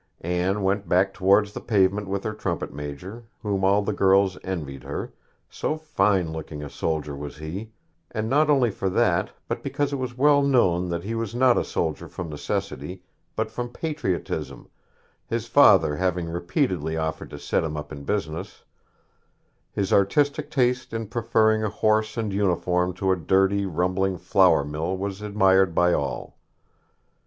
Anne went back towards the pavement with her trumpet major, whom all the girls envied her, so fine looking a soldier was he; and not only for that, but because it was well known that he was not a soldier from necessity, but from patriotism, his father having repeatedly offered to set him up in business: his artistic taste in preferring a horse and uniform to a dirty, rumbling flour mill was admired by all.